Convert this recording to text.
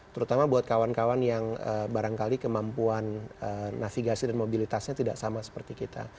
terutama buat kawan kawan yang barangkali kemampuan navigasi dan mobilitasnya tidak sama seperti kita